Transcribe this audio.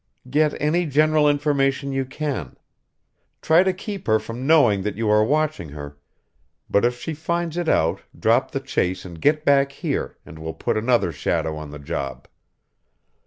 Get any general information you can. Try to keep her from knowing that you are watching her, but if she finds it out drop the chase and get back here, and we'll put another shadow on the job.